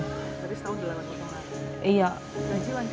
tapi setahun delapan potongan